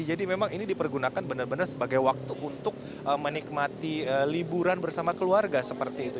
jadi memang ini dipergunakan benar benar sebagai waktu untuk menikmati liburan bersama keluarga seperti itu